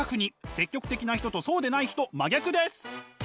積極的な人とそうでない人真逆です！